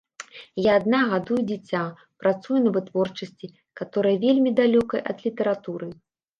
Я адна гадую дзіця, працую на вытворчасці, каторая вельмі далёкая ад літаратуры.